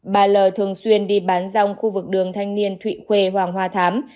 bà l thường xuyên đi bán dòng khu vực đường thanh niên thụy khuê hoàng hoa thám